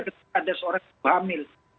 ketika ada seorang yang berpamil